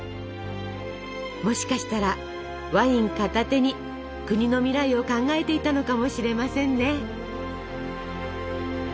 もしかしたらワイン片手に国の未来を考えていたのかもしれませんね。